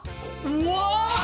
うわ！